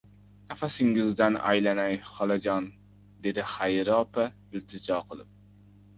— Nafasingizdan aylanay, xolajon! — dedi Xayri opa iltijo qilib.